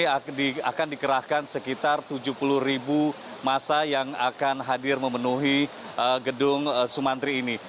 ini akan dikerahkan sekitar tujuh puluh ribu masa yang akan hadir memenuhi gedung sumantri ini